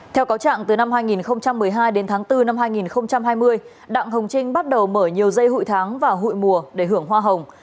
theo cáo trạng từ năm hai nghìn một mươi hai đến tháng bốn năm hai nghìn hai mươi đặng hồng trinh bắt đầu mở nhiều dây hụi tháng và hụi mùa để hưởng hoa hồng